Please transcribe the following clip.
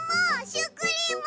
シュークリーム！